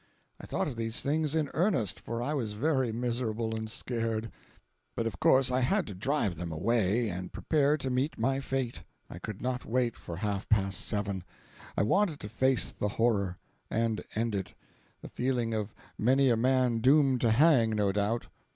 I thought of these things in earnest, for I was very miserable and scared. But of course I had to drive them away, and prepare to meet my fate. I could not wait for half past seven—I wanted to face the horror, and end it—the feeling of many a man doomed to hang, no doubt.